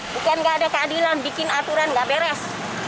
bukan nggak ada keadilan bikin aturan nggak beres